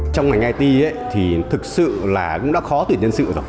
trong ngành it thì thực sự là cũng đã khó tuyển nhân sự rồi